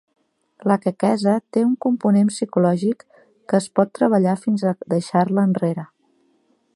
La quequesa té un component psicològic que es pot treballar fins a deixar-la enrere.